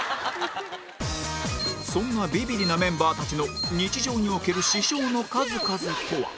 そんなビビリなメンバーたちの日常における支障の数々とは？